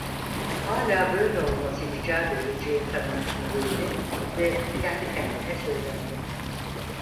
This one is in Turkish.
Hâlâ böyle olması icap edeceği kanaatindeydi ve kendi kendine söylendi: